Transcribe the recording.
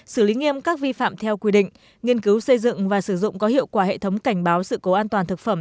xử lý nghiêm các vi phạm theo quy định nghiên cứu xây dựng và sử dụng có hiệu quả hệ thống cảnh báo sự cố an toàn thực phẩm